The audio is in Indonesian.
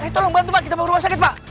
tolong bantu pak kita bawa ke rumah sakit pak